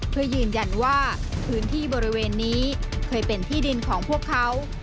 เพื่อยืนยันว่าพื้นที่บริเวณนี้เคยเป็นที่ดินของพวกเขา